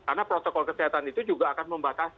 karena protokol kesehatan itu juga akan membatasi